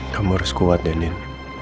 kamu harus kuat deh din